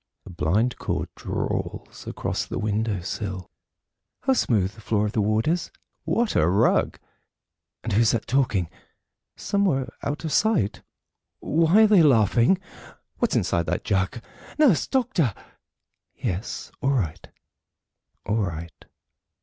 A blind cord drawls across the window sill ... How smooth the floor of the ward is! what a rug! And who's that talking, somewhere out of sight? Why are they laughing? What's inside that jug? "Nurse! Doctor!" "Yes; all right, all right."